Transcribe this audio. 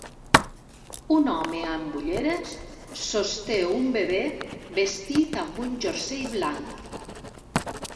Un home amb ulleres sosté un bebè vestit amb un jersei blanc.